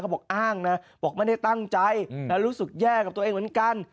บอกอ้างนะบอกไม่ได้ตั้งใจรู้สึกแย่กับตัวเองเหมือนกัน